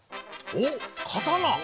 おっ刀！